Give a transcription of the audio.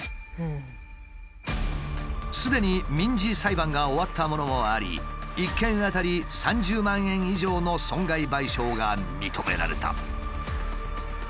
すでに民事裁判が終わったものもあり１件当たり３０万円以上の損害賠償が認められた。